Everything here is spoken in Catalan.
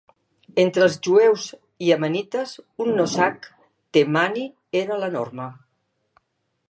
Entre els jueus iemenites, un nosach "temani" era la norma.